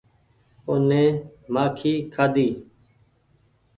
او ني او وي مآڪي کآڍي ۔